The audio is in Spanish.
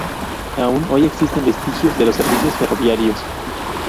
Aún hoy existen vestigios de los servicios ferroviarios.